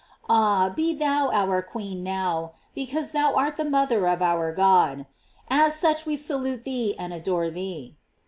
Ah! be thou our queen now, because thou art the mother of our God; as such we salute thee and adore thee.